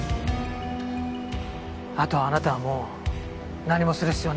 あとはあなたはもう何もする必要はなかった。